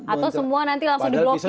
atau semua nanti langsung di blokir gitu ya